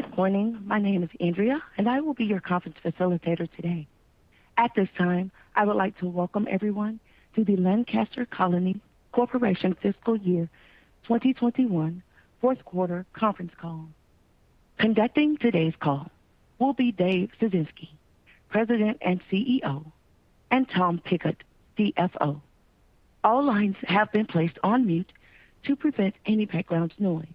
Good morning. My name is Andrea, and I will be your conference facilitator today. At this time, I would like to welcome everyone to the Lancaster Colony Corporation Fiscal Year 2021 Fourth Quarter Conference Call. Conducting today's call will be Dave Ciesinski, President and CEO, and Tom Pigott, CFO. All lines have been placed on mute to prevent any background noise.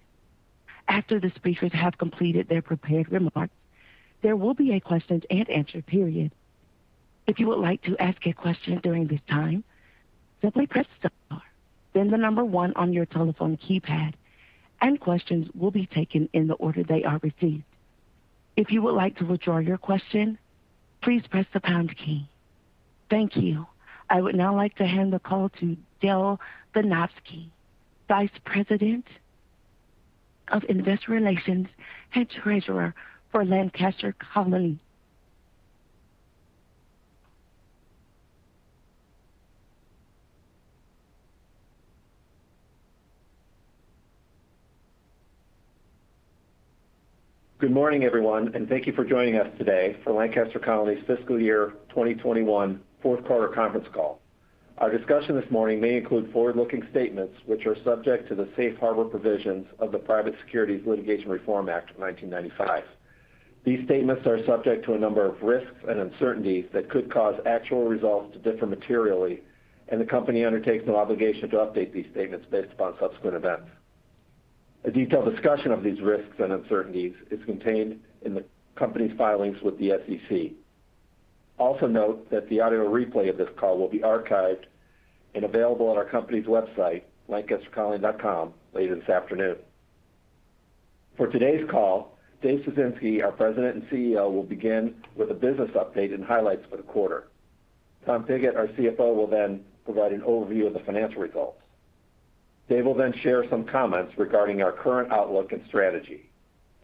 After the speakers have completed their prepared remarks, there will be a question-and-answer period. If you would like to ask a question during this time, simply press star, then the number one on your telephone keypad, and questions will be taken in the order they are received. If you would like to withdraw your question, please press the pound key. Thank you. I would now like to hand the call to Dale Ganobsik, Vice President of Investor Relations and Treasurer for Lancaster Colony. Good morning, everyone, and thank you for joining us today for Lancaster Colony's Fiscal Year 2021 Fourth Quarter Conference Call. Our discussion this morning may include forward-looking statements which are subject to the safe harbor provisions of the Private Securities Litigation Reform Act of 1995. These statements are subject to a number of risks and uncertainties that could cause actual results to differ materially, and the company undertakes no obligation to update these statements based upon subsequent events. A detailed discussion of these risks and uncertainties is contained in the company's filings with the SEC. Also note that the audio replay of this call will be archived and available on our company's website, lancastercolony.com, later this afternoon. For today's call, Dave Ciesinski, our President and CEO, will begin with a business update and highlights for the quarter. Tom Pigott, our CFO, will then provide an overview of the financial results. Dave will share some comments regarding our current outlook and strategy.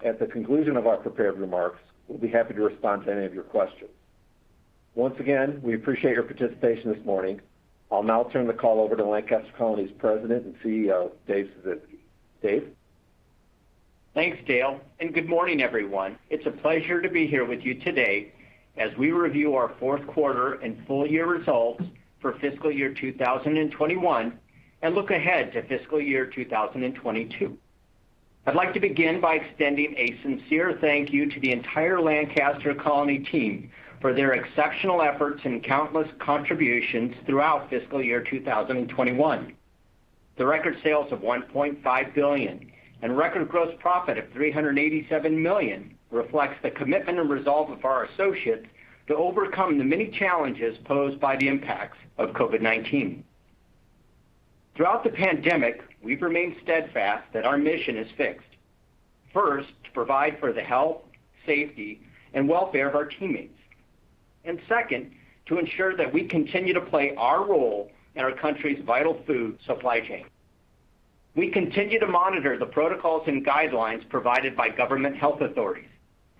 At the conclusion of our prepared remarks, we'll be happy to respond to any of your questions. Once again, we appreciate your participation this morning. I'll now turn the call over to Lancaster Colony's President and CEO, Dave Ciesinski. Dave? Thanks, Dale, good morning, everyone. It's a pleasure to be here with you today as we review our fourth quarter and full year results for fiscal year 2021 and look ahead to fiscal year 2022. I'd like to begin by extending a sincere thank you to the entire Lancaster Colony team for their exceptional efforts and countless contributions throughout fiscal year 2021. The record sales of $1.5 billion and record gross profit of $387 million reflects the commitment and resolve of our associates to overcome the many challenges posed by the impacts of COVID-19. Throughout the pandemic, we've remained steadfast that our mission is fixed. First, to provide for the health, safety, and welfare of our teammates. Second, to ensure that we continue to play our role in our country's vital food supply chain. We continue to monitor the protocols and guidelines provided by government health authorities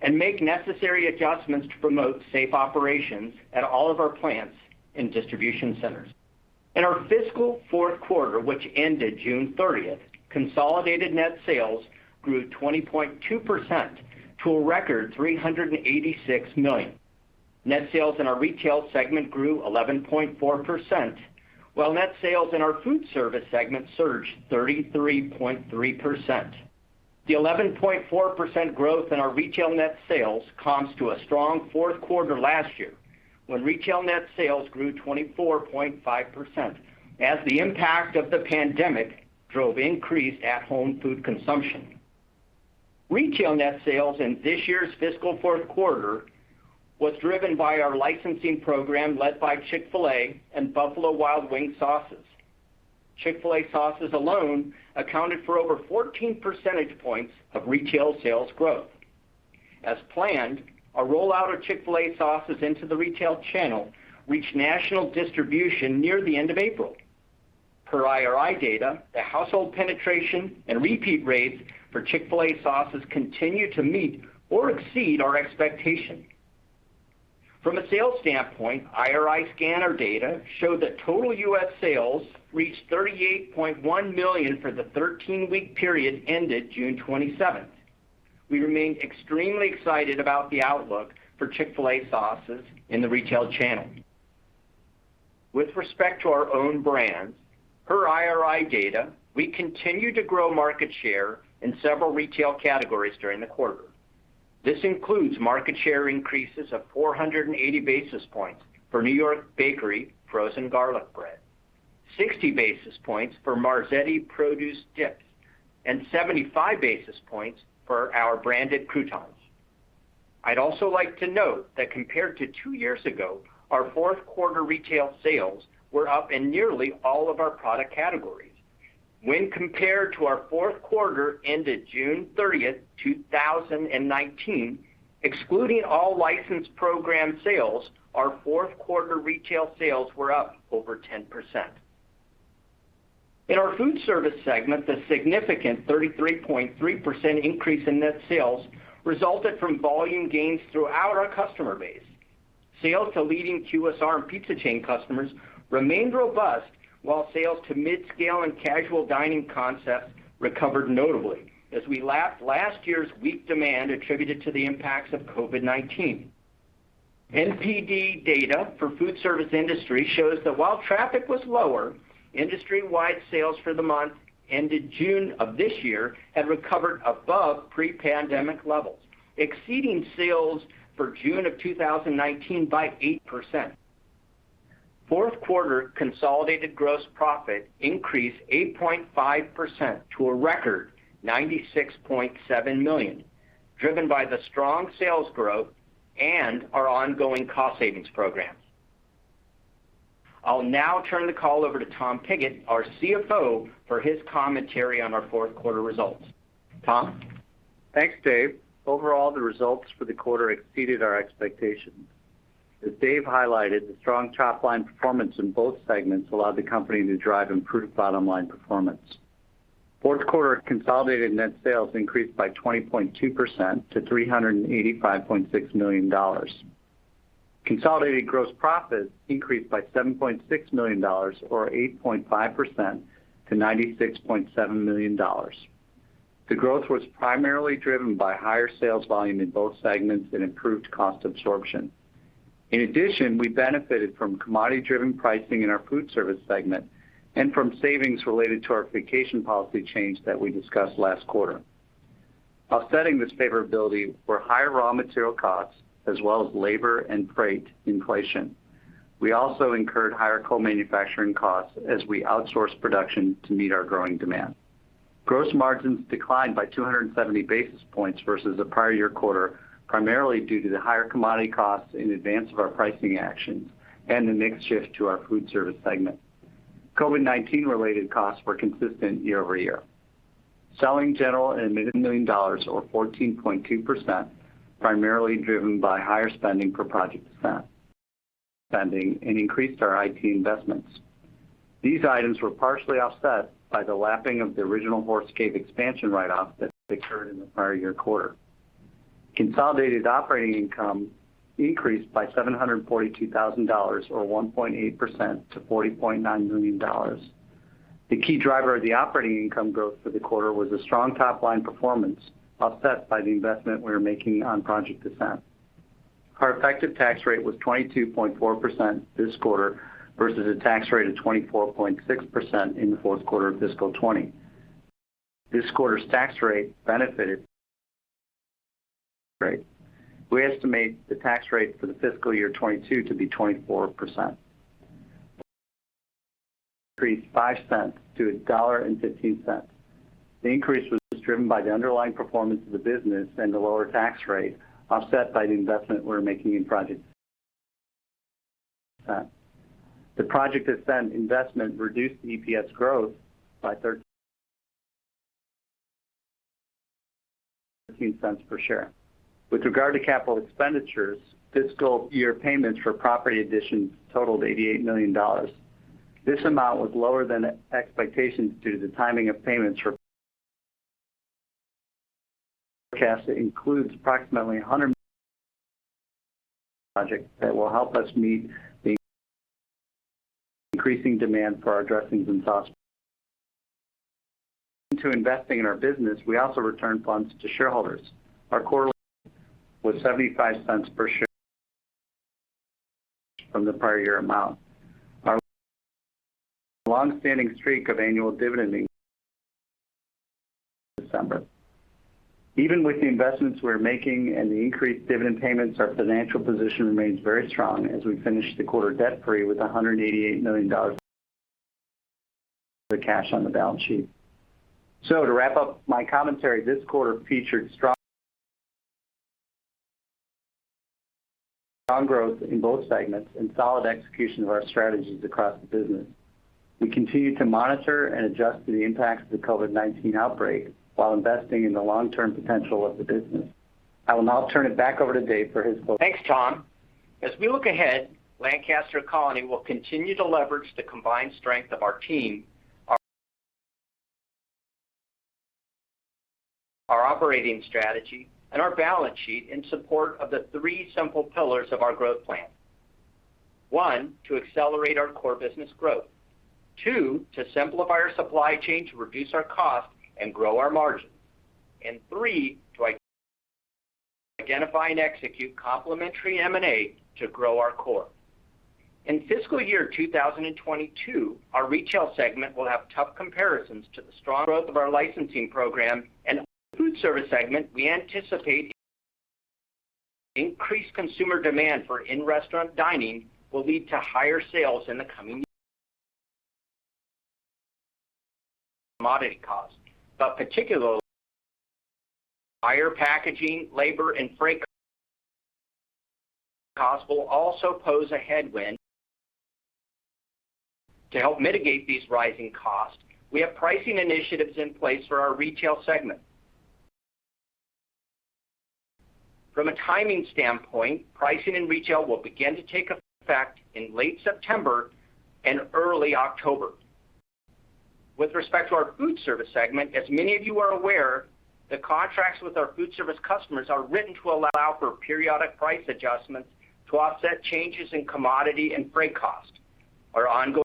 and make necessary adjustments to promote safe operations at all of our plants and distribution centers. In our fiscal fourth quarter, which ended June 30th, consolidated net sales grew 20.2% to a record $386 million. Net sales in our retail segment grew 11.4%, while net sales in our food service segment surged 33.3%. The 11.4% growth in our retail net sales comps to a strong fourth quarter last year, when retail net sales grew 24.5% as the impact of the pandemic drove increased at-home food consumption. Retail net sales in this year's fiscal fourth quarter was driven by our licensing program led by Chick-fil-A and Buffalo Wild Wings sauces. Chick-fil-A sauces alone accounted for over 14 percentage points of retail sales growth. As planned, our rollout of Chick-fil-A sauces into the retail channel reached national distribution near the end of April. Per IRI data, the household penetration and repeat rates for Chick-fil-A sauces continue to meet or exceed our expectation. From a sales standpoint, IRI scanner data showed that total U.S. sales reached $38.1 million for the 13-week period ended June 27th. We remain extremely excited about the outlook for Chick-fil-A sauces in the retail channel. With respect to our own brands, per IRI data, we continued to grow market share in several retail categories during the quarter. This includes market share increases of 480 basis points for New York Bakery frozen garlic bread, 60 basis points for Marzetti produce dips, and 75 basis points for our branded croutons. I'd also like to note that compared to two years ago, our fourth quarter retail sales were up in nearly all of our product categories. When compared to our fourth quarter ended June 30th, 2019, excluding all licensed program sales, our fourth quarter retail sales were up over 10%. In our food service segment, the significant 33.3% increase in net sales resulted from volume gains throughout our customer base. Sales to leading QSR and pizza chain customers remained robust while sales to mid-scale and casual dining concepts recovered notably as we lapped last year's weak demand attributed to the impacts of COVID-19. NPD data for food service industry shows that while traffic was lower, industry-wide sales for the month ended June of this year had recovered above pre-pandemic levels, exceeding sales for June of 2019 by 8%. Fourth quarter consolidated gross profit increased 8.5% to a record $96.7 million, driven by the strong sales growth and our ongoing cost savings programs. I'll now turn the call over to Tom Pigott, our CFO, for his commentary on our fourth quarter results. Tom? Thanks, Dave. Overall, the results for the quarter exceeded our expectations. As Dave highlighted, the strong top-line performance in both segments allowed the company to drive improved bottom-line performance. Fourth quarter consolidated net sales increased by 20.2% to $385.6 million. Consolidated gross profit increased by $7.6 million or 8.5% to $96.7 million. The growth was primarily driven by higher sales volume in both segments and improved cost absorption. In addition, we benefited from commodity-driven pricing in our food service segment and from savings related to our vacation policy change that we discussed last quarter. Offsetting this favorability were higher raw material costs, as well as labor and freight inflation. We also incurred higher co-manufacturing costs as we outsourced production to meet our growing demand. Gross margins declined by 270 basis points versus the prior year quarter, primarily due to the higher commodity costs in advance of our pricing actions and the mix shift to our food service segment. COVID-19 related costs were consistent year-over-year. Selling, general, and $6.9 million or 14.2%, primarily driven by higher spending for Project Ascent and increased our IT investments. These items were partially offset by the lapping of the original Horse Cave expansion write-off that occurred in the prior year quarter. Consolidated operating income increased by $742,000 or 1.8% to $40.9 million. The key driver of the operating income growth for the quarter was the strong top-line performance, offset by the investment we're making on Project Ascent. Our effective tax rate was 22.4% this quarter versus a tax rate of 24.6% in the fourth quarter of fiscal 2020. This quarter's tax rate benefited rate. We estimate the tax rate for the fiscal year 2022 to be 24%. Increased $0.05 to $1.15. The increase was driven by the underlying performance of the business and the lower tax rate, offset by the investment we're making in Project Ascent. The Project Ascent investment reduced the EPS growth by $0.13 per share. With regard to capital expenditures, fiscal year payments for property additions totaled $88 million. This amount was lower than expectations due to the timing of payments for. Our forecast includes approximately 100 projects that will help us meet the increasing demand for our dressings and sauces. To investing in our business, we also returned funds to shareholders. Our quarterly dividend was $0.75 per share from the prior year amount. Our longstanding streak of annual dividend December. Even with the investments we're making and the increased dividend payments, our financial position remains very strong as we finish the quarter debt-free with $188 million of cash on the balance sheet. To wrap up my commentary, this quarter featured strong growth in both segments and solid execution of our strategies across the business. We continue to monitor and adjust to the impacts of the COVID-19 outbreak while investing in the long-term potential of the business. I will now turn it back over to Dave for his- Thanks, Tom. As we look ahead, Lancaster Colony will continue to leverage the combined strength of our team, our operating strategy, and our balance sheet in support of the three simple pillars of our growth plan. One, to accelerate our core business growth. Two, to simplify our supply chain to reduce our cost and grow our margins. Three, to identify and execute complementary M&A to grow our core. In fiscal year 2022, our retail segment will have tough comparisons to the strong growth of our licensing program and food service segment. We anticipate increased consumer demand for in-restaurant dining will lead to higher sales in the coming commodity costs. Particularly, higher packaging, labor, and freight costs will also pose a headwind. To help mitigate these rising costs, we have pricing initiatives in place for our retail segment. From a timing standpoint, pricing in retail will begin to take effect in late September and early October. With respect to our food service segment, as many of you are aware, the contracts with our food service customers are written to allow for periodic price adjustments to offset changes in commodity and freight costs. Our ongoing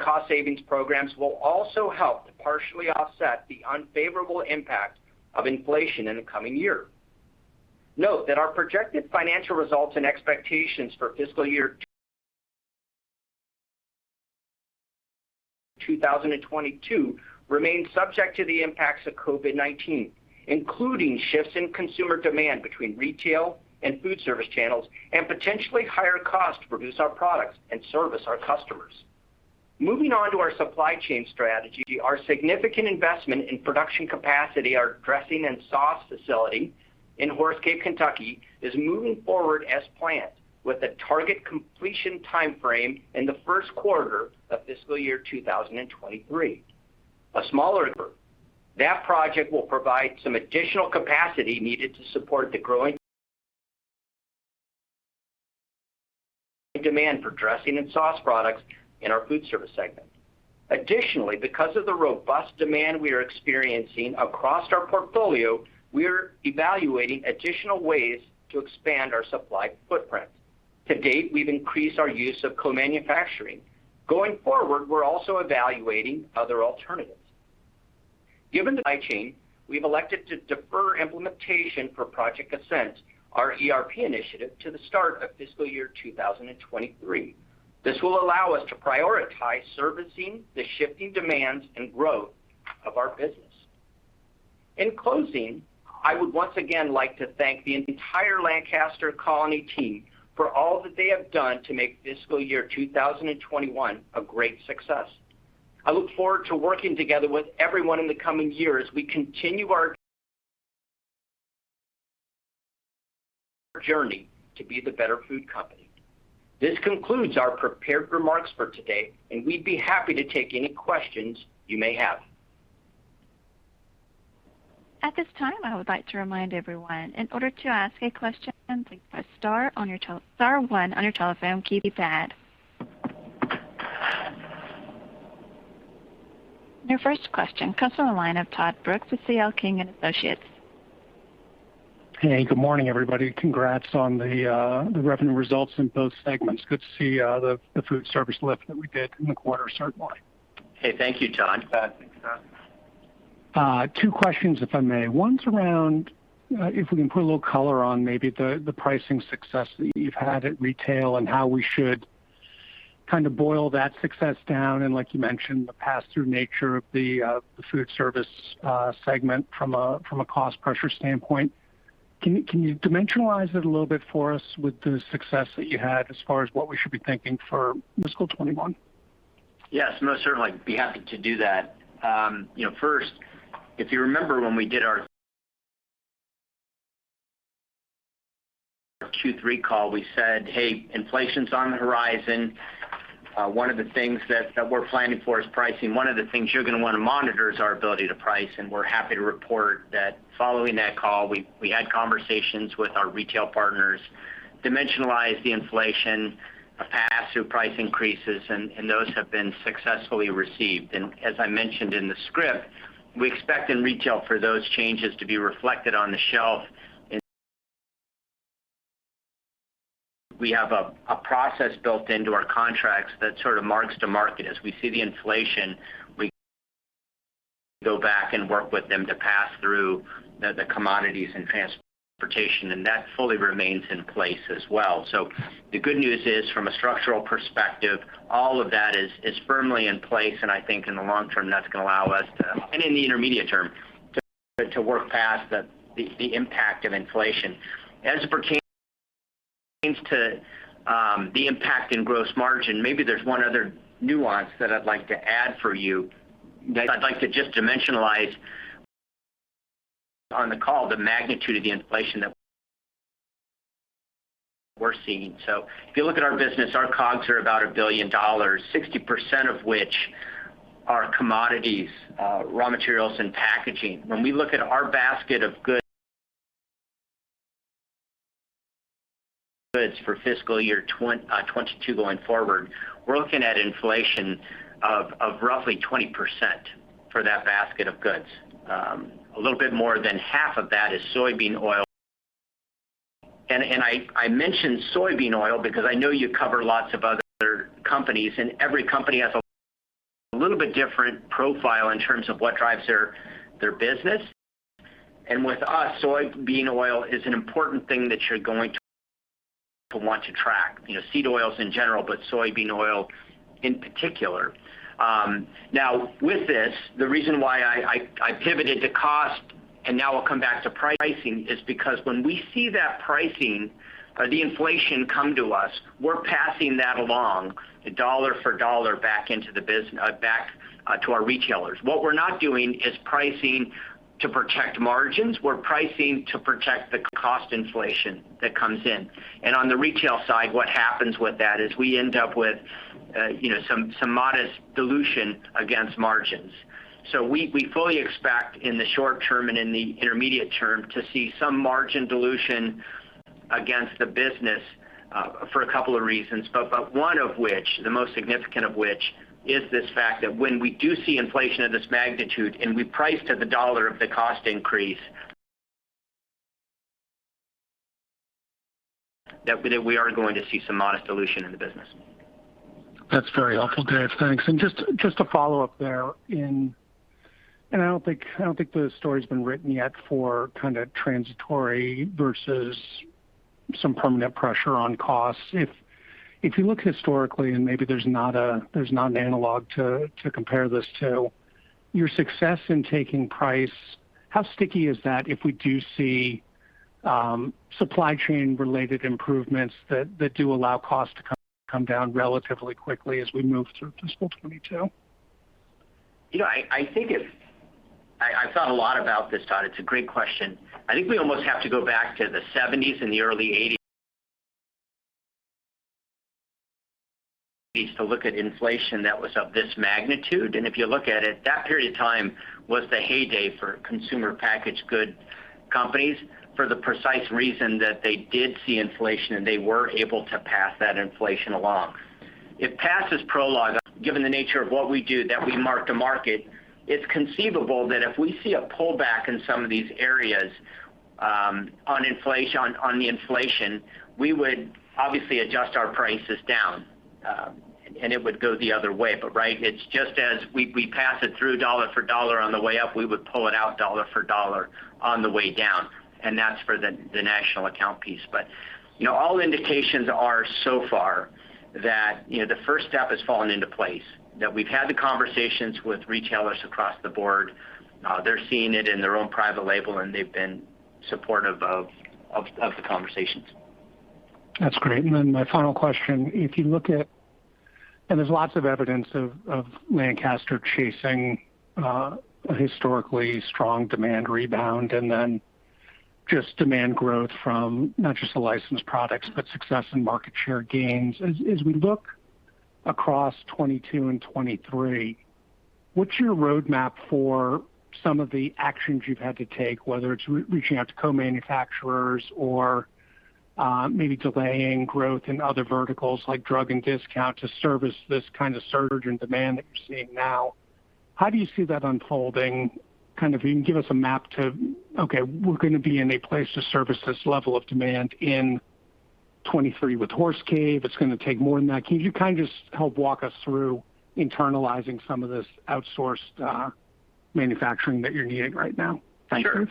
cost savings programs will also help to partially offset the unfavorable impact of inflation in the coming year. Note that our projected financial results and expectations for fiscal year 2022 remain subject to the impacts of COVID-19, including shifts in consumer demand between retail and food service channels, and potentially higher costs to produce our products and service our customers. Moving on to our supply chain strategy, our significant investment in production capacity, our dressing and sauce facility in Horse Cave, Kentucky, is moving forward as planned, with a target completion timeframe in the first quarter of fiscal year 2023. A smaller group. That project will provide some additional capacity needed to support the growing demand for dressing and sauce products in our food service segment. Because of the robust demand we are experiencing across our portfolio, we're evaluating additional ways to expand our supply footprint. To date, we've increased our use of co-manufacturing. Going forward, we're also evaluating other alternatives. Given the supply chain, we've elected to defer implementation for Project Ascent, our ERP initiative, to the start of fiscal year 2023. This will allow us to prioritize servicing the shifting demands and growth of our business. In closing, I would once again like to thank the entire Lancaster Colony team for all that they have done to make fiscal year 2021 a great success. I look forward to working together with everyone in the coming year as we continue our journey to be the better food company. This concludes our prepared remarks for today, and we'd be happy to take any questions you may have. At this time, I would like to remind everyone, in order to ask a question, please press star one on your telephone keypad. Your first question comes from the line of Todd Brooks with CL King & Associates. Hey, good morning, everybody. Congrats on the revenue results in both segments. Good to see the food service lift that we did in the quarter, certainly. Hey, thank you, Todd. Two questions, if I may. One's around if we can put a little color on maybe the pricing success that you've had at retail and how we should kind of boil that success down and, like you mentioned, the pass-through nature of the food service segment from a cost pressure standpoint. Can you dimensionalize it a little bit for us with the success that you had as far as what we should be thinking for fiscal 2021? Yes, most certainly. Be happy to do that. First, if you remember when we did our Q3 call, we said, "Hey, inflation's on the horizon. One of the things that we're planning for is pricing. One of the things you're going to want to monitor is our ability to price." We're happy to report that following that call, we had conversations with our retail partners, dimensionalized the inflation of pass-through price increases, and those have been successfully received. As I mentioned in the script, we expect in retail for those changes to be reflected on the shelf. We have a process built into our contracts that sort of marks to market. As we see the inflation, we go back and work with them to pass through the commodities and transportation. That fully remains in place as well. The good news is, from a structural perspective, all of that is firmly in place, and I think in the long term, that's going to allow us to, and in the intermediate term, to work past the impact of inflation. As it pertains to the impact in gross margin, maybe there's one other nuance that I'd like to add for you, that I'd like to just dimensionalize on the call the magnitude of the inflation that we're seeing. If you look at our business, our COGS are about $1 billion, 60% of which are commodities, raw materials, and packaging. When we look at our basket of goods for fiscal year 2022 going forward, we're looking at inflation of roughly 20% for that basket of goods. A little bit more than half of that is soybean oil. I mention soybean oil because I know you cover lots of other companies, and every company has a little bit different profile in terms of what drives their business. With us, soybean oil is an important thing that you're going to want to track. Seed oils in general, but soybean oil in particular. With this, the reason why I pivoted to cost, and now I'll come back to pricing, is because when we see that pricing, the inflation come to us, we're passing that along, dollar for dollar, back to our retailers. What we're not doing is pricing to protect margins. We're pricing to protect the cost inflation that comes in. On the retail side, what happens with that is we end up with some modest dilution against margins. We fully expect in the short term and in the intermediate term to see some margin dilution against the business for a couple of reasons. One of which, the most significant of which, is this fact that when we do see inflation of this magnitude and we price to the dollar of the cost increase, that we are going to see some modest dilution in the business. That's very helpful, Dave. Thanks. Just to follow up there. I don't think the story's been written yet for kind of transitory versus some permanent pressure on costs. If you look historically, and maybe there's not an analog to compare this to, your success in taking price, how sticky is that if we do see supply chain related improvements that do allow cost to come down relatively quickly as we move through fiscal 2022? I've thought a lot about this, Todd. It's a great question. I think we almost have to go back to the '70s and the early to look at inflation that was of this magnitude. If you look at it, that period of time was the heyday for consumer packaged good companies for the precise reason that they did see inflation, and they were able to pass that inflation along. If past is prologue, given the nature of what we do, that we mark to market, it's conceivable that if we see a pullback in some of these areas on the inflation, we would obviously adjust our prices down, and it would go the other way. Right, it's just as we pass it through dollar for dollar on the way up, we would pull it out dollar for dollar on the way down, and that's for the national account piece. All indications are so far that the first step has fallen into place, that we've had the conversations with retailers across the board. They're seeing it in their own private label, and they've been supportive of the conversations. That's great. My final question, if you look at, there's lots of evidence of Lancaster chasing a historically strong demand rebound, just demand growth from not just the licensed products, but success in market share gains. As we look across 2022 and 2023, what's your roadmap for some of the actions you've had to take, whether it's reaching out to co-manufacturers or maybe delaying growth in other verticals like drug and discount to service this kind of surge in demand that you're seeing now. How do you see that unfolding? If you can give us a map to, okay, we're going to be in a place to service this level of demand in 2023 with Horse Cave. It's going to take more than that. Can you kind of just help walk us through internalizing some of this outsourced manufacturing that you're needing right now? Thanks, Dave.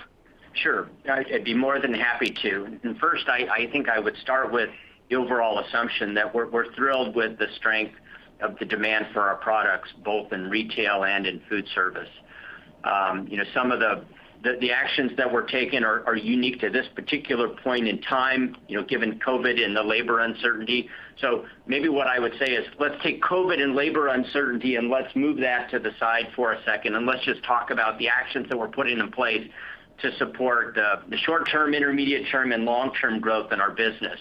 Sure. I'd be more than happy to. First, I think I would start with the overall assumption that we're thrilled with the strength of the demand for our products, both in retail and in food service. Some of the actions that we're taking are unique to this particular point in time, given COVID and the labor uncertainty. Maybe what I would say is, let's take COVID and labor uncertainty, let's move that to the side for a second, let's just talk about the actions that we're putting in place to support the short-term, intermediate term, and long-term growth in our business.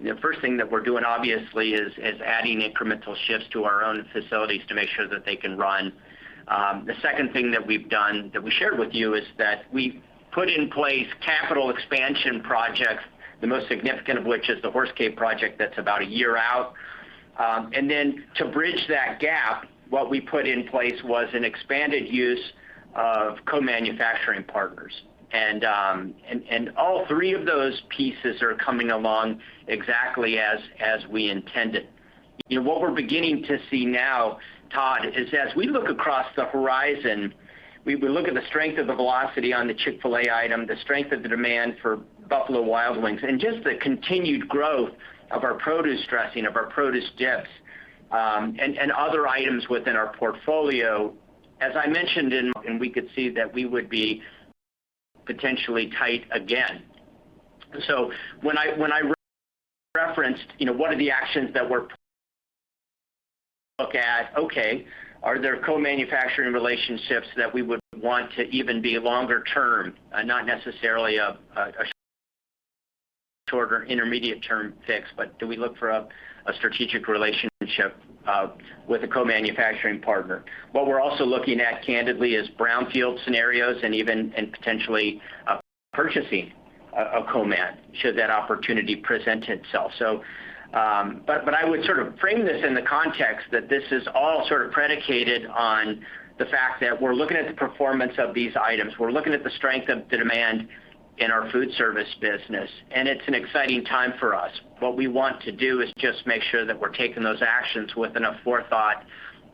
The first thing that we're doing, obviously, is adding incremental shifts to our own facilities to make sure that they can run. The second thing that we've done, that we shared with you, is that we put in place capital expansion projects, the most significant of which is the Horse Cave project that's about a year out. To bridge that gap, what we put in place was an expanded use of co-manufacturing partners. All three of those pieces are coming along exactly as we intended. What we're beginning to see now, Todd, is as we look across the horizon, we look at the strength of the velocity on the Chick-fil-A item, the strength of the demand for Buffalo Wild Wings, and just the continued growth of our produce dressing, of our produce dips, and other items within our portfolio. As I mentioned, we could see that we would be potentially tight again. When I referenced one of the actions that we're looking at, okay, are there co-manufacturing relationships that we would want to even be longer term? Not necessarily a shorter intermediate term fix, but do we look for a strategic relationship with a co-manufacturing partner? What we're also looking at, candidly, is brownfield scenarios and potentially purchasing a co-man should that opportunity present itself. I would sort of frame this in the context that this is all sort of predicated on the fact that we're looking at the performance of these items. We're looking at the strength of the demand in our food service business, and it's an exciting time for us. What we want to do is just make sure that we're taking those actions with enough forethought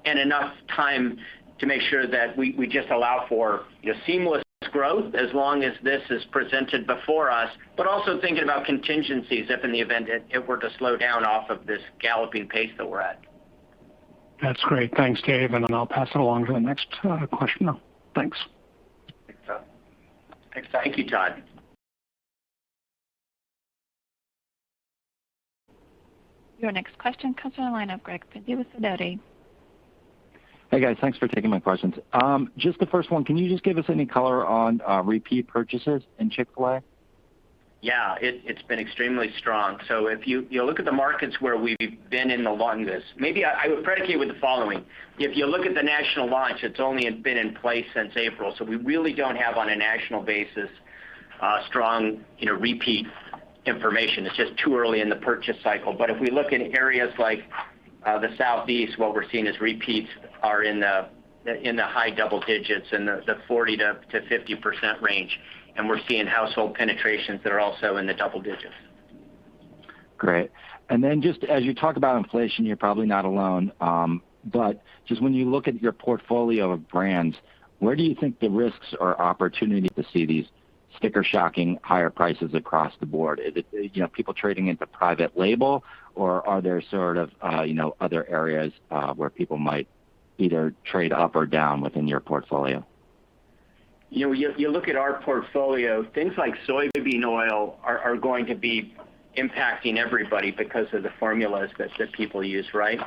and enough time to make sure that we just allow for seamless growth as long as this is presented before us, but also thinking about contingencies if in the event it were to slow down off of this galloping pace that we're at. That's great. Thanks, Dave. I'll pass it along to the next questioner. Thanks. Thanks, Todd. Thank you, Todd. Your next question comes from the line of Greg Pendy with Sidoti. Hey, guys. Thanks for taking my questions. Just the first one, can you just give us any color on repeat purchases in Chick-fil-A? Yeah. It's been extremely strong. Maybe I would predicate with the following. If you look at the national launch, it's only been in place since April, so we really don't have, on a national basis, strong repeat information. It's just too early in the purchase cycle. If we look in areas like the Southeast, what we're seeing is repeats are in the high double digits, in the 40%-50% range. We're seeing household penetrations that are also in the double digits. Great. Just as you talk about inflation, you're probably not alone. Just when you look at your portfolio of brands, where do you think the risks or opportunity to see these sticker shocking higher prices across the board? Is it people trading into private label? Are there sort of other areas where people might either trade up or down within your portfolio? You look at our portfolio, things like soybean oil are going to be impacting everybody because of the formulas that people use, right?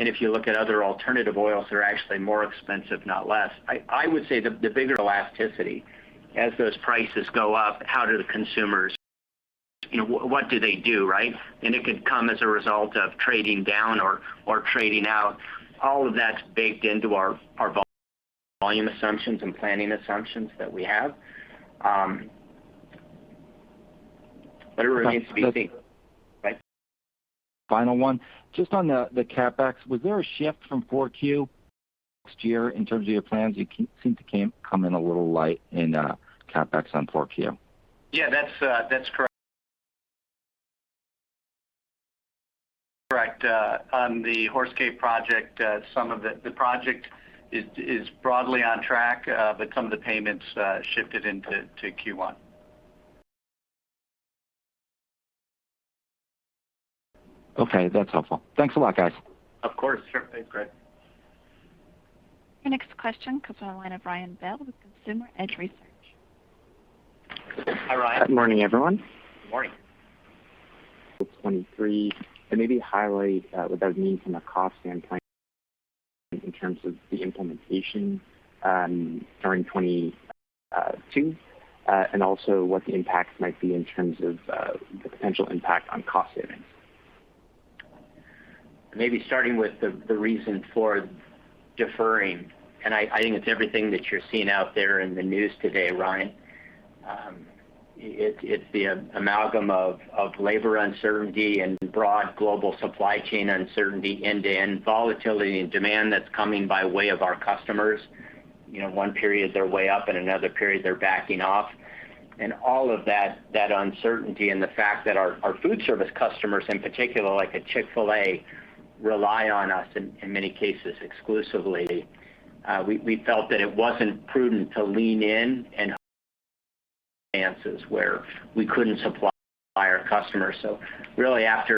If you look at other alternative oils, they're actually more expensive, not less. I would say the bigger elasticity as those prices go up, how do the consumers, what do they do, right? It could come as a result of trading down or trading out. All of that's baked into our volume assumptions and planning assumptions that we have. It remains to be seen. Right. Final one. Just on the CapEx, was there a shift from 4Q next year in terms of your plans? You seem to come in a little light in CapEx on 4Q. Yeah, that's correct. On the Horse Cave project, the project is broadly on track, but some of the payments shifted into Q1. Okay. That's helpful. Thanks a lot, guys. Of course. Sure thing, Greg. Your next question comes on the line of Ryan Bell with Consumer Edge Research. Hi, Ryan. Good morning, everyone. Good morning. 2023, maybe highlight what those mean from a cost standpoint in terms of the implementation during 2022, and also what the impact might be in terms of the potential impact on cost savings. Maybe starting with the reason for deferring, and I think it's everything that you're seeing out there in the news today, Ryan. It's the amalgam of labor uncertainty and broad global supply chain uncertainty end-to-end, volatility and demand that's coming by way of our customers. One period they're way up, and another period they're backing off. All of that uncertainty and the fact that our food service customers in particular, like a Chick-fil-A, rely on us in many cases exclusively. We felt that it wasn't prudent to lean in and advances where we couldn't supply our customers. Really after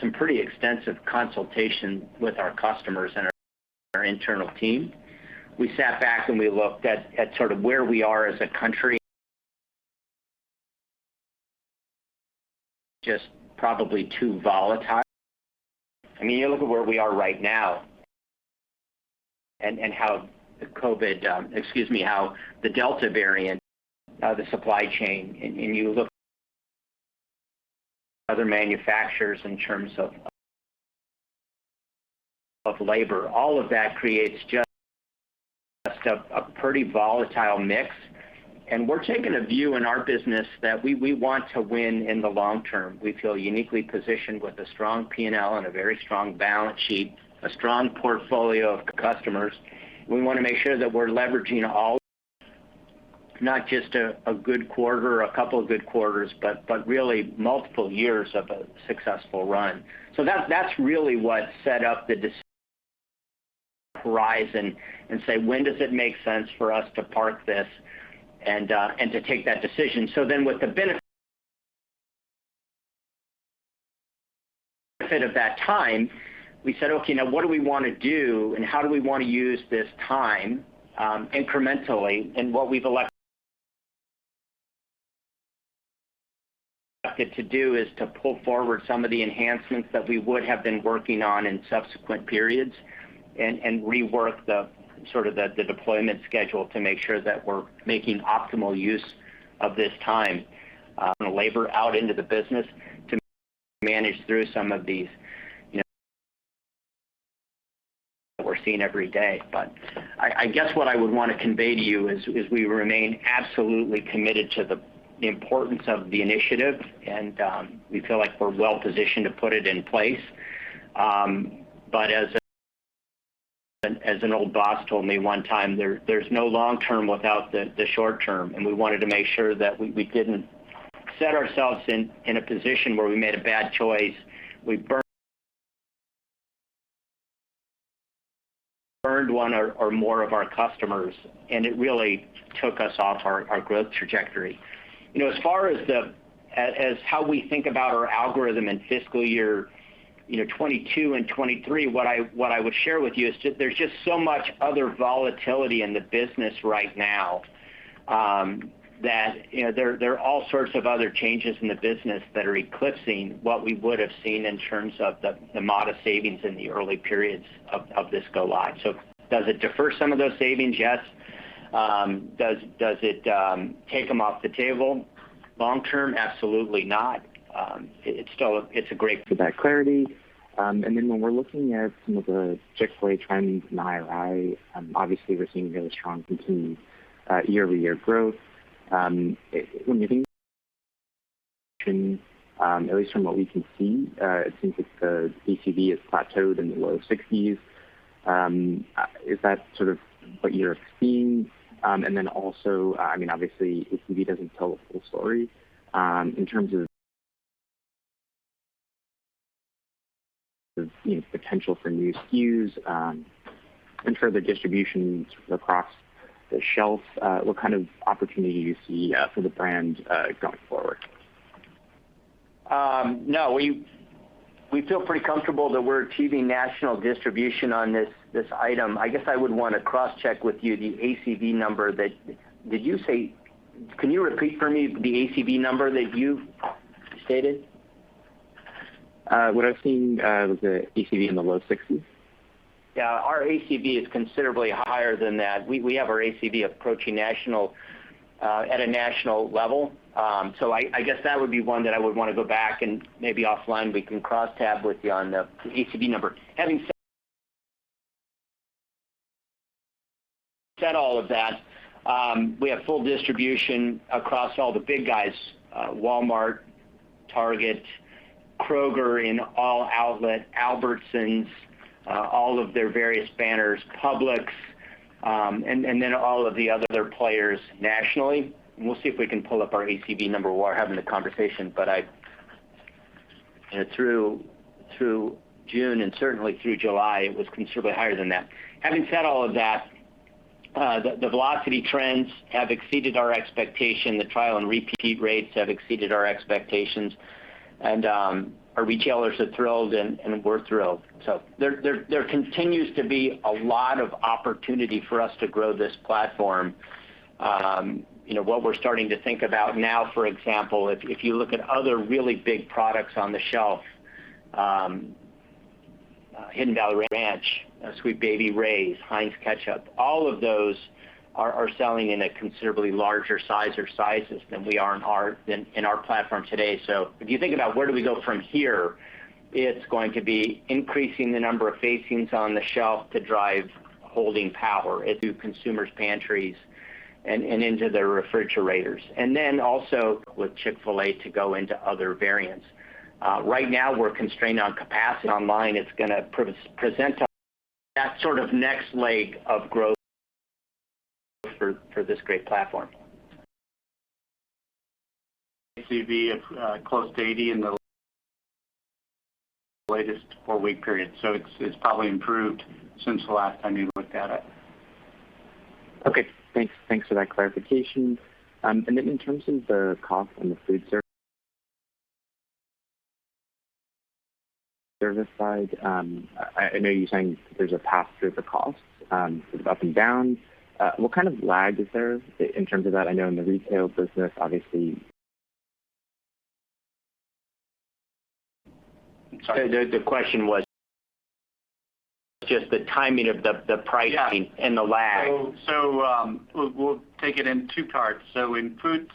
some pretty extensive consultation with our customers and our internal team, we sat back and we looked at sort of where we are as a country, just probably too volatile. You look at where we are right now and how the COVID-19, excuse me, how the Delta variant, the supply chain, and you look other manufacturers in terms of labor. All of that creates just a pretty volatile mix, and we're taking a view in our business that we want to win in the long term. We feel uniquely positioned with a strong P&L and a very strong balance sheet, a strong portfolio of customers. We want to make sure that we're leveraging all, not just a good quarter or a couple of good quarters, but really multiple years of a successful run. That's really what set up the decision horizon and say, "When does it make sense for us to park this?" and to take that decision. With the benefit of that time, we said, "Okay, now what do we want to do and how do we want to use this time incrementally?" What we've elected to do is to pull forward some of the enhancements that we would have been working on in subsequent periods and rework the deployment schedule to make sure that we're making optimal use of this time and labor out into the business to manage through some of these that we're seeing every day. I guess what I would want to convey to you is we remain absolutely committed to the importance of the initiative, and we feel like we're well positioned to put it in place. As an old boss told me one time, "There's no long term without the short term." We wanted to make sure that we didn't set ourselves in a position where we made a bad choice. We burned one or more of our customers, and it really took us off our growth trajectory. As far as how we think about our algorithm in fiscal year 2022 and 2023, what I would share with you is there's just so much other volatility in the business right now that there are all sorts of other changes in the business that are eclipsing what we would have seen in terms of the modest savings in the early periods of this go live. Does it defer some of those savings? Yes. Does it take them off the table? Long-term, absolutely not. It's a great- For that clarity. When we're looking at some of the Chick-fil-A trends in IRI, obviously we're seeing really strong continued year-over-year growth. When you think at least from what we can see, it seems like the ACV has plateaued in the low 60s. Is that sort of what you're seeing? Also, obviously ACV doesn't tell the full story. In terms of potential for new SKUs and further distribution across the shelf, what kind of opportunity do you see for the brand, going forward? No. We feel pretty comfortable that we're achieving national distribution on this item. I guess I would want to cross-check with you the ACV number. Can you repeat for me the ACV number that you stated? What I've seen was the ACV in the low 60s. Yeah. Our ACV is considerably higher than that. We have our ACV approaching at a national level. I guess that would be one that I would want to go back and maybe offline we can cross-tab with you on the ACV number. Having said all of that, we have full distribution across all the big guys, Walmart, Target, Kroger in all outlet, Albertsons, all of their various banners, Publix, and then all of the other players nationally. We'll see if we can pull up our ACV number while we're having the conversation, but through June and certainly through July, it was considerably higher than that. Having said all of that, the velocity trends have exceeded our expectation. The trial and repeat rates have exceeded our expectations, and our retailers are thrilled, and we're thrilled. There continues to be a lot of opportunity for us to grow this platform. What we're starting to think about now, for example, if you look at other really big products on the shelf, Hidden Valley Ranch, Sweet Baby Ray's, Heinz Ketchup, all of those are selling in a considerably larger size or sizes than we are in our platform today. If you think about where do we go from here, it's going to be increasing the number of facings on the shelf to drive holding power into consumers' pantries and into their refrigerators. Then also with Chick-fil-A to go into other variants. Right now, we're constrained on capacity. Online is going to present us that sort of next leg of growth for this great platform. ACV of close to 80 in the latest four-week period, so it's probably improved since the last time you looked at it. Okay, thanks for that clarification. Then in terms of the cost on the food service side, I know you're saying there's a pass through the cost, sort of up and down. What kind of lag is there in terms of that? I know in the retail business, obviously I'm sorry, the question was just the timing of the pricing- The lag. We'll take it in two parts. In food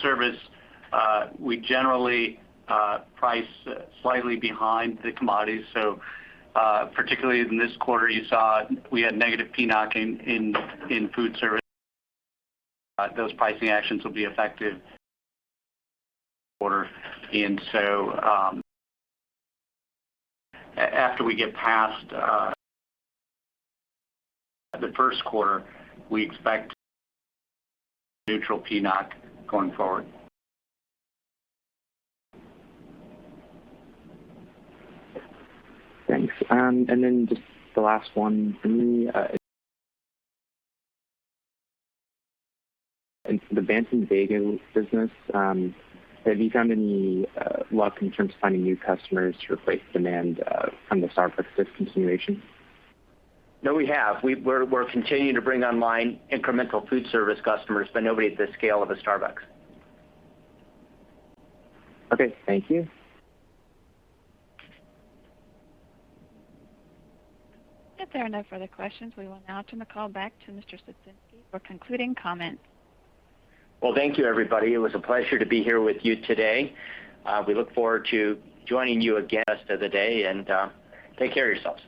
service, we generally price slightly behind the commodities. Particularly in this quarter, you saw we had negative PNOC in food service. Those pricing actions will be effective quarter. After we get past the first quarter, we expect neutral PNOC going forward. Thanks. Just the last one from me. In the Bantam Bagels business, have you found any luck in terms of finding new customers to replace demand from the Starbucks discontinuation? No, we have. We're continuing to bring online incremental food service customers, but nobody at the scale of a Starbucks. Okay. Thank you. If there are no further questions, we will now turn the call back to Mr. Ciesinski for concluding comments. Thank you everybody. It was a pleasure to be here with you today. We look forward to joining you again rest of the day, and take care of yourselves.